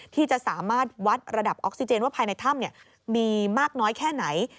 ที่จะสามารถวัดระดับออกซิเจนว่าภายในถ้ำมีมากน้อยแค่ไหน